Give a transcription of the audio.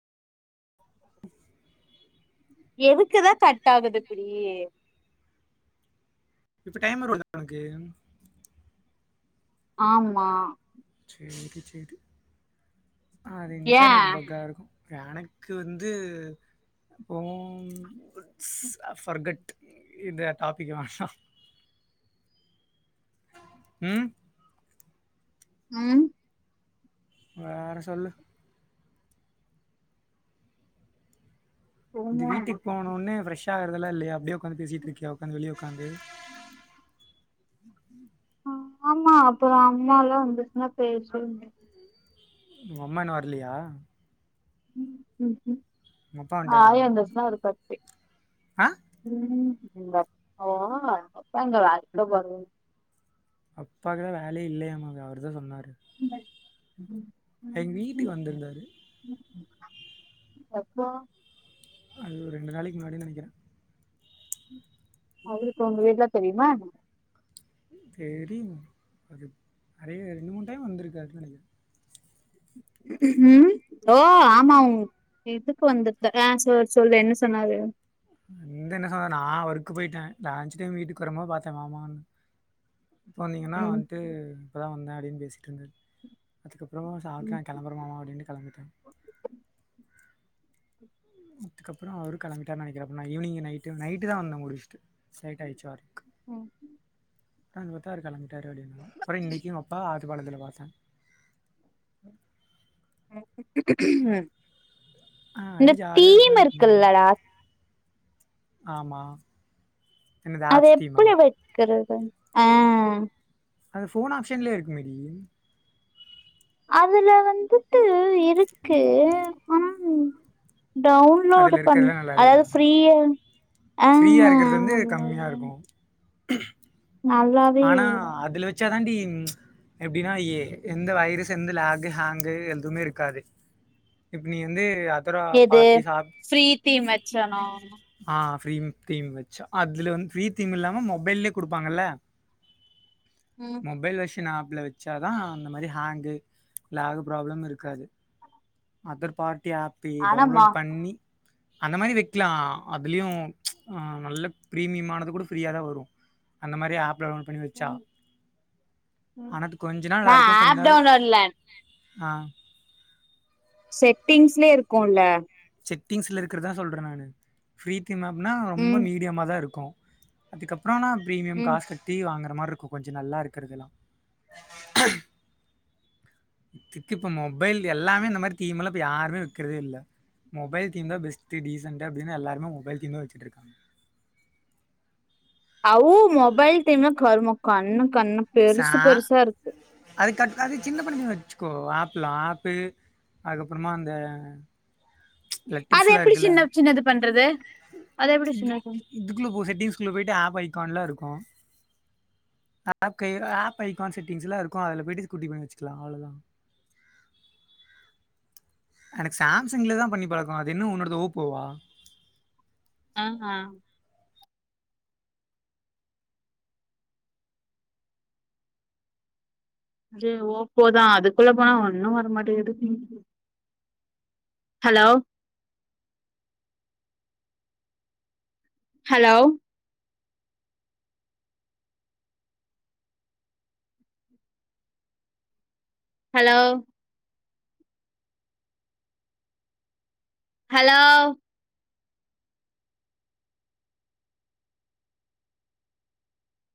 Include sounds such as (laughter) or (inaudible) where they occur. எதுக்குதா cut ஆகுது இப்டி இப்ப டைம் வருல்ல ஒனக்கு ஆம்மா செரி செரி அது ஏ இன்டர்நெட் பக்கா இருக்கு எனக்கு வந்து இப்போம் ஃபர்கேட் இந்த டாப்பிக் வேணா ம் ம் வேற சொல்லு இந்த சும்மா வீட்டுக்கு போனோன்னே ஃப்ரஷ் ஆகுறதெல்லா இல்லயா அப்டியே உக்காந்து பேசிட்டு இருக்கியா உக்காந்து வெளிய உக்காந்து ஆ ஆமா அப்றோ அம்மாலா வந்துச்சுன்னா பேசவே முடியா உங்க அம்மா இன்னு வர்லியா ம்ஹு உங்க அப்பா வந்துட்டாரா? ஆயா வந்தாச்சுன்னா ஒரு கட்டு ஆ ம் எங்க அப்பா அப்பா (unintelligible) அப்பாக்குதா வேலையே இல்லையாம்மா அங்க அவர்தா சொன்னாரு எங் வீட்டுக்கு வந்திருந்தாரு எப்போ அது ஒரு ரெண்டு நாளைக்கு முன்னாடி நெனைக்கிறே அவருக்கு ஒங்க வீட்லா தெரியுமா என்ன ம் தெரியு அது நெறைய ரெண்டு மூணு டைம் வந்திருக்காருனு நெனைக்க ம் ஓ ஆமா உ இதுக்கு வந்துர்ந்தா ஆ சொ சொல்லு என்ன சொன்னாரு என்ட என்ன சொன்னாரு நா ஒர்க் போயிட்டே லஞ்சு டைம் வீட்டுக்கு வரம்போ பாத்தே மாமானு எப்போ வந்தீங்கன்னா ம் வந்ட்டு இப்பதா வந்தே அப்டின்னு பேசிட்டுருந்தாரு அதுக்கப்றோ சாப்டே கெளம்புற மாமா அப்டின்டு கெளம்பிட்டே அதுக்கப்றோ அவரு கெளம்பிட்டார்ரு நெனைக்கிற நா ஈவினிங் நைட்டு நைட்டு தா வந்த முடிச்சுட்டு லேட் ஆய்டுச்சு வரக்கு ம் க்கானு பாத்தா அவ்ரு கெளம்பிட்டாரு அப்றோ இன்னைக்கு எங் அப்பா ஆத்து பாலத்துல பாத்த ஆ இந்த அப்படியே ஜாலியா தீம் உட்காந்துட்டு இருந்தாரு. இருக்குல்லடா ஆமா என்னது அது ஆப்ஸ் தீமா? எப்டி வெக்குறது ஆ அது ஃபோன் ஆப்ஷன்லே இருக்குமேடி அதுல வந்துட்டு இருக்கு ஆனா டவுன்லோடு அதுல பண் இருக்கிறதுலாம் நல்லா இல்லையா? அதாவ்து ஃப்ரீய ஃப்ரீயா இருக்கறது வந்து கம்மியா இருக்கு நல்லாவே ஆனா இல்ல அதுல வச்சாதான்டி எப்டினா எ எந்த வைரஸ் எந்த லாகு ஹேங்கு எதுமே இருக்காது இப்ப நீ வந்து அதர் ஆப் எது பார்ட்டி சா ஃப்ரீ தீம் வச்சானா ஆ ஃப்ரீம் தீம் வச்சா அதுல வந்து ஃப்ரீ தீம் இல்லாம மொபைல்லே குடுப்பாங்கல்ல ம் மொபைல் வெர்ஷன் ஆப்ல வச்சா தா அந்த மாரி ஹேங்கு லேகு ப்ராப்ளமு இருக்காது அதர் பார்ட்டி ஆப்பி ஆனாமா டவுன்லோட் பண்ணி அந்த மாரி வெக்லா அதுலயு ஆ நல்ல பிரீமியம்மானது கூட ஃப்ரீயாதா வரு அந்த மாரி ஆப் டவ் பண்ணி வச்சா ம் ம் ஆனா அது கொஞ்ச நாள் நல்லா நா இருக்கு கொஞ்ச ஆப் நாள் டவுன்லோட் இல்ல ஆ செட்டிங்ஸ்லே இருக்குல்ல செட்டிங்ஸ்ல இருக்கிறதா சொல்ற நானு ஃப்ரீ தீம் ஆப்னா ரொம்ப ம் மீடியமாதா இருக்கு அதுக்கப்றோனா பிரீமியம் ம் காஸ் கட்டி வாங்குற மார்ருக்கு கொஞ்சோ நல்லா இருக்குறதெல்லா இத்துக்கு இப்ப மொபைல் எல்லாமே இந்த மாரி தீம்ல இப்ப யாருமே வெக்குறதே இல்ல மொபைல் தீம்தா பெஸ்ட் டிசன்டா அப்டின்னு எல்லாருமே மொபைல் தீம்தா வச்சுட்ருக்காங்க அவ் மொபைல் தீம்னோ கருமோ கண்ண கண்ண சா அது கட் அது சின்ன பண்ணுமே வச்சுக்கோ ஆப்ல்லா ஆப்பு அதுக்கப்புறமா அந்த அது லெட்டர்ஸ்லா எப்டி இருக்குல்ல சின்ன சின்னது பண்றது அது எப்டி சின்னது பண் இதுக்குள்ள போ செட்டிங்ஸ்குள்ள போயிட்டு ஆப் ஐகான்லா இருக்கு ஆப் கே ஆப் ஐகான் செட்டிங்ஸ்லா இருக்கு அதுல போயிட்டு குட்டி பண்ணி வச்சுக்கலா அவ்ளோதா எனக் சேம்சங்லதா பண்ணி பழக்கோ அது என்ன உன்னோடது ஓப்பொவா ஆஹா இது ஓப்போதா அதுக்குள்ள போனா ஒன்னு வரமாட்டேக்து ஹலோ ஹலோ ஹலோ ஹலோ